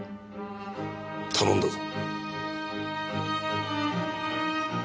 頼んだぞ。